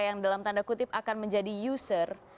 yang dalam tanda kutip akan menjadi user